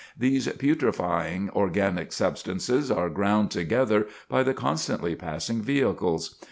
These putrifying organic substances are ground together by the constantly passing vehicles.